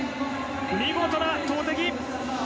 見事な投てき。